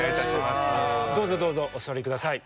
どうぞどうぞお座りください。